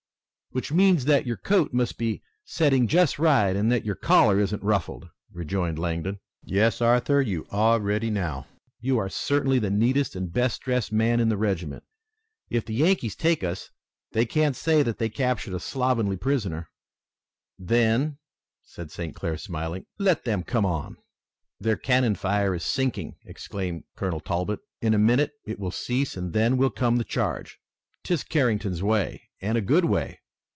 "Which means that your coat must be setting just right and that your collar isn't ruffled," rejoined Langdon. "Yes, Arthur, you are ready now. You are certainly the neatest and best dressed man in the regiment. If the Yankees take us they can't say that they captured a slovenly prisoner." "Then," said St. Clair, smiling, "let them come on." "Their cannon fire is sinking!" exclaimed Colonel Talbot. "In a minute it will cease and then will come the charge! 'Tis Carrington's way, and a good way!